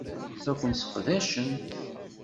La ken-sseqdacen.